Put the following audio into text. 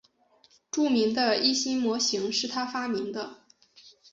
著名的易辛模型是他发明的。